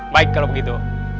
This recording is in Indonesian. baik kalau begitu